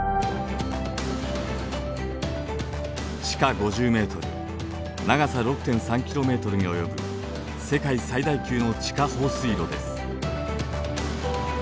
地下５０ｍ長さ６．３ｋｍに及ぶ世界最大級の地下放水路です。